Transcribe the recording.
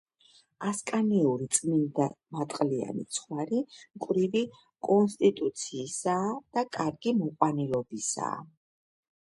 ასკანიური წმინდამატყლიანი ცხვარი მკვრივი კონსტიტუციისა და კარგი მოყვანილობისაა.